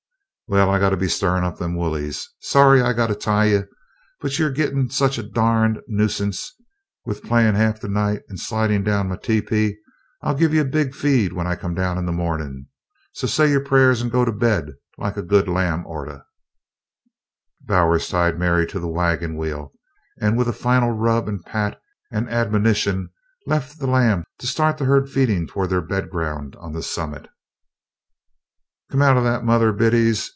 "Well, I got to be stirrin' up them woolies. Sorry I got to tie you, but you're gittin' such a durned nuisance, with playin' half the night and slidin' down my tepee. I'll give you the big feed when I come down in the mornin', so say your prayers and go to bed like a good lamb orta." Bowers tied Mary to the wagon wheel, and, with a final rub and pat and admonition, left the lamb, to start the herd feeding toward their bed ground on the summit. "Come out o' that, Mother Biddies!